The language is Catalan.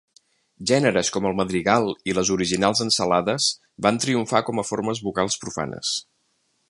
Gèneres com el madrigal i les originals ensalades van triomfar com a formes vocals profanes.